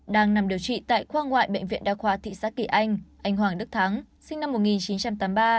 đang nằm điều trị tại khoa ngoại bệnh viện đa khoa thị xã kỳ anh anh hoàng đức thắng sinh năm một nghìn chín trăm tám mươi ba